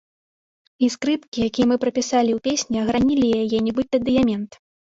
І скрыпкі, якія мы прапісалі ў песні, агранілі яе, нібыта дыямент.